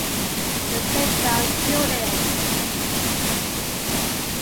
The Seagram's Building!